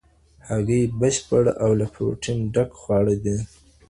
هګۍ بشپړ او له پروتین ډک خواړه دي.